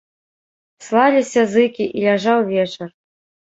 Слаліся зыкі, і ляжаў вечар.